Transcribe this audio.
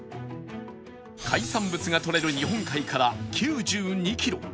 海産物がとれる日本海から９２キロ